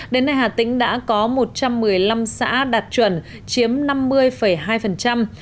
đến nay hà tĩnh đã có một trăm một mươi năm xã đạt chuẩn chiếm năm mươi hai